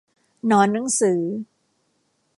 หนอนหนังสือ